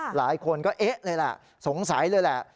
หลายคนก็เอ๊ะเลยแหละสงสัยเลยแหละ